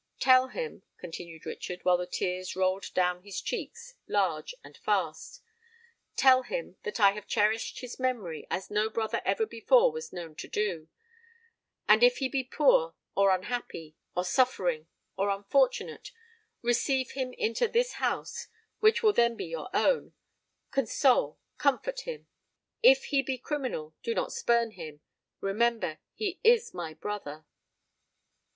Tell him," continued Richard, while the tears rolled down his cheeks, large and fast,—"tell him that I have cherished his memory as no brother ever before was known to do; and if he be poor—or unhappy—or suffering—or unfortunate, receive him into this house, which will then be your own—console, comfort him! If he be criminal, do not spurn him:—remember, he is my brother!"